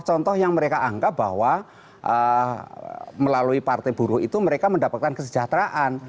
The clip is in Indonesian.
contoh yang mereka anggap bahwa melalui partai buruh itu mereka mendapatkan kesejahteraan